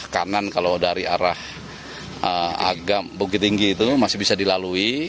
kanan kalau dari arah agam bukit tinggi itu masih bisa dilalui